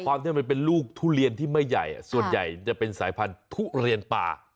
ที่มันเป็นลูกทุเรียนที่ไม่ใหญ่ส่วนใหญ่จะเป็นสายพันธุ์ทุเรียนป่า